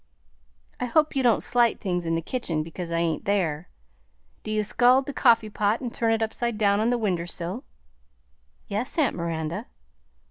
"I hope you don't slight things in the kitchen because I ain't there. Do you scald the coffee pot and turn it upside down on the winder sill?" "Yes, aunt Miranda."